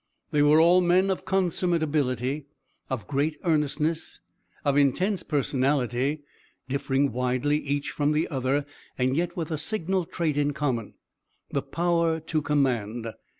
They were all men of consummate ability, of great earnestness, of intense personality, differing widely each from the others, and yet with a signal trait in common the power to command.